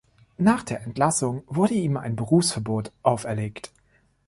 Nach der Entlassung wurde ihm ein Berufsverbot auferlegt.